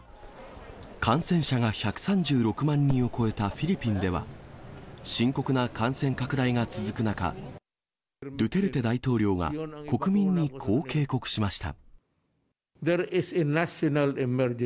感染者が１３６万人を超えたフィリピンでは、深刻な感染拡大が続く中、ドゥテルテ大統領が国民にこう警告しました。